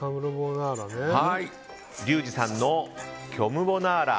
リュウジさんの虚無ボナーラ。